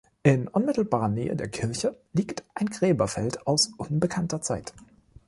In unmittelbarer Nähe der Kirche liegt ein Gräberfeld aus unbekannter Zeit.